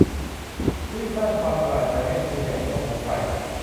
นี่สร้างความประหลาดใจให้คุณอย่างไม่ต้องสงสัย